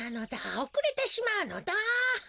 おくれてしまうのだ。